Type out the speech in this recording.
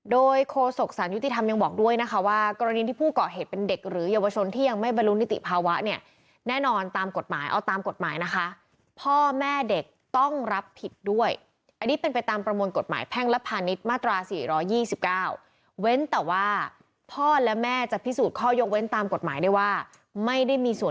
โดยโฆษกสารยุติธรรมยังบอกด้วยนะคะว่ากรณีที่ผู้เกาะเหตุเป็นเด็กหรือเยาวชนที่ยังไม่บรรลุนิติภาวะเนี่ยแน่นอนตามกฎหมายเอาตามกฎหมายนะคะพ่อแม่เด็กต้องรับผิดด้วยอันนี้เป็นไปตามประมวลกฎหมายแพ่งและพาณิชย์มาตรา๔๒๙เว้นแต่ว่าพ่อและแม่จะพิสูจน์ข้อยกเว้นตามกฎหมายได้ว่าไม่ได้มีส่วน